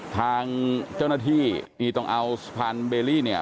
ทางเจ้าหน้าที่ต้องเอาสะพานเบรี่